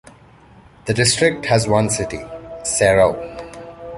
The District has one city: Serow.